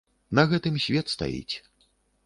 На гэтым свет стаіць.